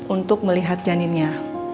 untuk melihat janinnya